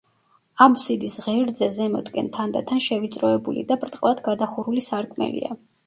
აბსიდის ღერძზე ზემოთკენ თანდათან შევიწროებული და ბრტყლად გადახურული სარკმელია.